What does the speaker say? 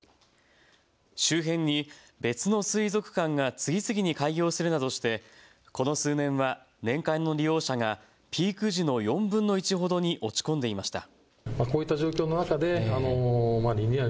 周辺に別の水族館が次々に開業するなどして、この数年は年間の利用者がピーク時の４分の１ほどに落ち込んでいました。